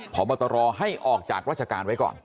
พบตรให้ออกจากราชการไว้ก่อน